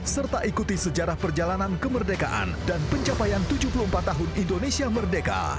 serta ikuti sejarah perjalanan kemerdekaan dan pencapaian tujuh puluh empat tahun indonesia merdeka